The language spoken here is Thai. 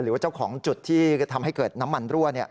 หรือว่าเจ้าของจุดที่ทำให้เกิดน้ำมันรั่ว